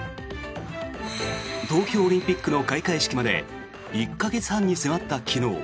東京オリンピックの開会式まで１か月半に迫った昨日。